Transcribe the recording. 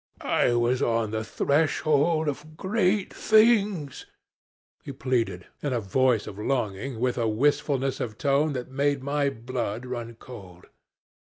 'I was on the threshold of great things,' he pleaded, in a voice of longing, with a wistfulness of tone that made my blood run cold.